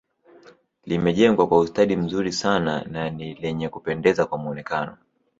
Limejengwa kwa ustadi mzuri sana na ni lenye Kupendeza kwa mwonekano